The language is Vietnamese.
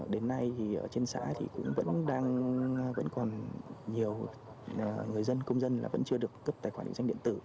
đến nay trên xã vẫn còn nhiều người dân công dân vẫn chưa được cấp tài khoản định danh địa tử